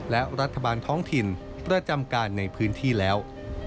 และรัฐบาลท้องถิ่นประจำการในพื้นที่แล้ว